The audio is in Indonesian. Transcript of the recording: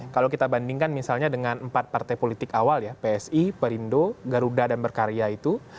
kalau kita bandingkan misalnya dengan empat partai politik awal ya psi perindo garuda dan berkarya itu